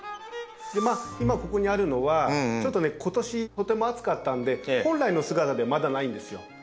今ここにあるのはちょっとね今年とても暑かったんで本来の姿ではまだないんですよ。